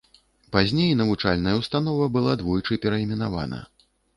Пазней навучальная ўстанова была двойчы перайменавана.